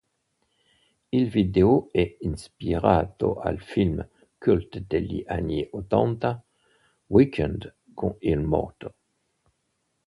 Il video è ispirato al film cult degli anni ottanta "Weekend con il morto".